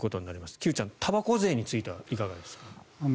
木内さん、たばこ税についてはいかがですか？